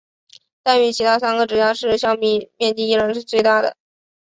但与其他三个直辖市相比面积依然是最大的。